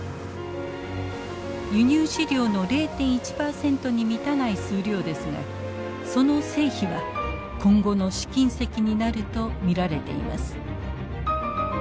輸入飼料の０．１％に満たない数量ですがその成否は今後の試金石になると見られています。